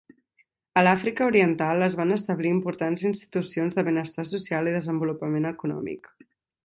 A l'Àfrica oriental, es van establir importants institucions de benestar social i desenvolupament econòmic.